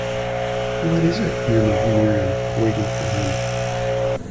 “What is it?” murmured Miriam, waiting for him.